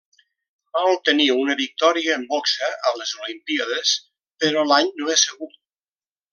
Va obtenir una victòria en boxa a les olimpíades, però l'any no és segur.